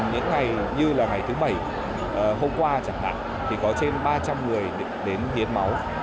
những ngày như là ngày thứ bảy hôm qua chẳng hạn thì có trên ba trăm linh người đến hiến máu